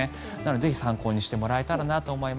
ぜひ参考にしてもらえたらと思います。